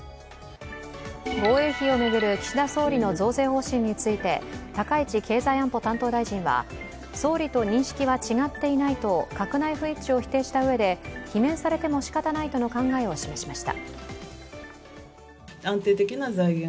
防衛費を巡る岸田総理の増税方針について高市経済安保担当大臣は総理と認識は違っていないと閣内不一致を否定したうえで、罷免されてもしかたないとの考えを示しました。